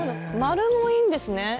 丸もいいんですね。